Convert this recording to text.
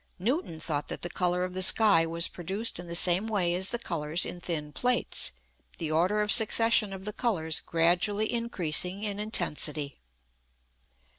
Newton thought that the colour of the sky was produced in the same way as the colours in thin plates, the order of succession of the colours gradually increasing in intensity.